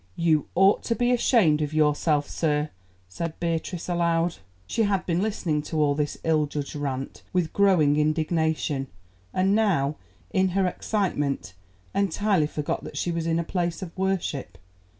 "You ought to be ashamed of yourself, sir," said Beatrice aloud. She had been listening to all this ill judged rant with growing indignation, and now, in her excitement, entirely forgot that she was in a place of worship.